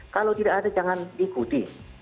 kalau tidak ada jangan diikuti